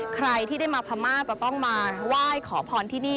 ใครที่ได้มาพม่าจะต้องมาไหว้ขอพรที่นี่